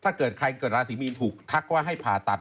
ถ้าเกิดใครเกิดราศีมีนถูกทักว่าให้ผ่าตัด